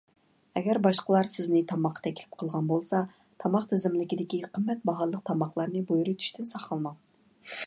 ئەگەر باشقىلار سىزنى تاماققا تەكلىپ قىلغان بولسا، تاماق تىزىملىكىدىكى قىممەت باھالىق تاماقلارنى بۇيرۇتۇشتىن ساقلىنىڭ.